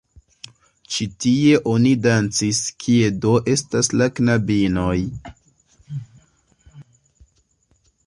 Ĉi tie oni dancis, kie do estas la knabinoj?